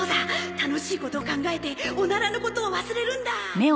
楽しいことを考えてオナラのことを忘れるんだ！